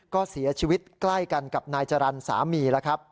ก็เสียชีวิตใกล้กันกับนายจรรย์สามี